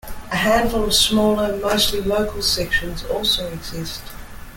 A handful of smaller, mostly local sections also exist.